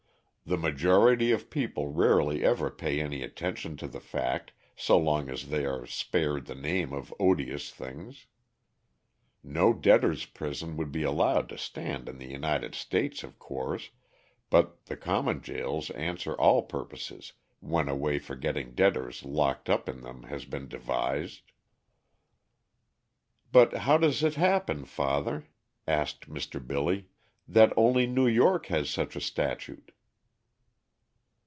The majority of people rarely ever pay any attention to the fact so long as they are spared the name of odious things. No debtors' prison would be allowed to stand in the United States, of course, but the common jails answer all purposes when a way for getting debtors locked up in them has been devised." "But how does it happen, father," asked Mr. Billy, "that only New York has such a statute?"